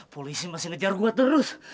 polisi masih ngejar gue terus